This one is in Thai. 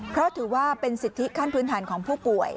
เพราะถือว่าเป็นสิทธิขั้นพื้นฐานของผู้ป่วย